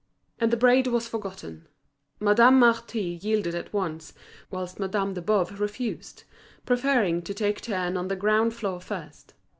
And the braid was forgotten. Madame Marty yielded at once, whilst Madame de Boves refused, preferring to take a turn on the ground floor first.